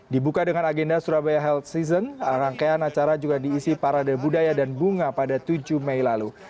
dibuka dengan agenda surabaya health season rangkaian acara juga diisi parade budaya dan bunga pada tujuh mei lalu